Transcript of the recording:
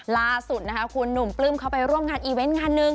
ล่าสุดนะคะคุณหนุ่มปลื้มเขาไปร่วมงานอีเวนต์งานหนึ่ง